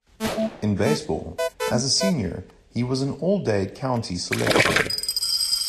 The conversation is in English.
In baseball, as a senior, he was an All-Dade County selection.